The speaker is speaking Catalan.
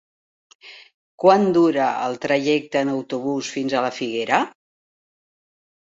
Quant dura el trajecte en autobús fins a la Figuera?